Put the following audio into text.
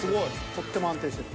とっても安定してる。